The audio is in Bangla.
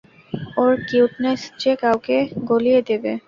ওর কিউটনেস যে কেউকে গলিয়ে দেবে।